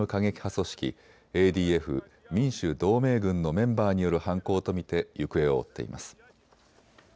組織、ＡＤＦ・民主同盟軍のメンバーによる犯行と見て行方を追っています。